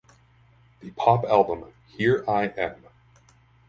The pop album Here I Am...